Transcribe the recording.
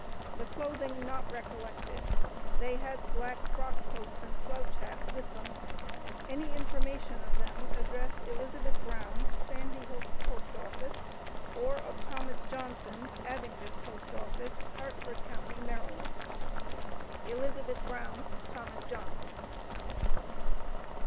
The clothing not recollected. They had black frock coats and slouch hats with them. Any information of them address Elizabeth Brown, Sandy Hook P.O., or of Thomas Johnson, Abingdon P.O., Harford county, Md. "ELIZABETH BROWN. "THOMAS JOHNSON."